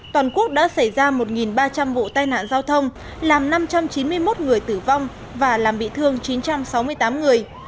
toàn quốc đã xảy ra một ba trăm linh vụ tai nạn giao thông làm năm trăm chín mươi một người tử vong và làm bị thương chín trăm sáu mươi tám người